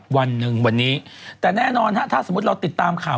วันหนึ่งวันนี้แต่แน่นอนฮะถ้าสมมุติเราติดตามข่าว